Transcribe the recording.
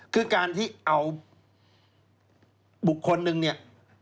คือการที่เอาบุคคลนึงเนี่ย